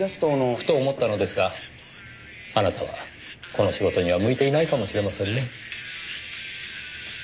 ふと思ったのですがあなたはこの仕事には向いていないかもしれませんねぇ。